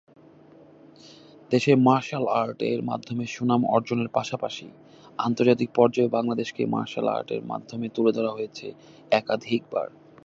দেশে martial art এর মাধ্যমে সুনাম অর্জনের পাশাপাশি, আন্তর্জাতিক পর্যায়েও বাংলাদেশকে মার্শাল আর্ট এর মাধ্যমে তুলে ধরেছেন একাধিকবার।